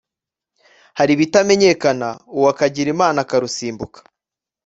Hari ibitamenyekana uwo akagira Imana akarusimbuka